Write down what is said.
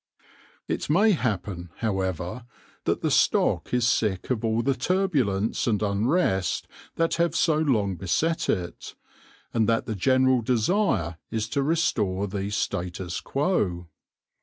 It may happen, however, that the stock is sick of all the turbulence and unrest that have so long beset it, and that the general desire is to restore the status quo.